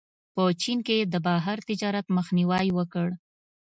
په چین کې یې د بهر تجارت مخنیوی وکړ.